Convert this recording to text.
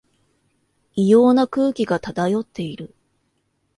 異様な空気が漂っている